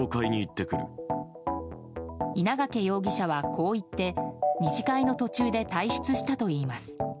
稲掛容疑者はこう言って２次会の途中で退出したといいます。